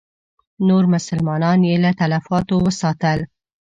نور مسلمانان یې له تلفاتو وساتل.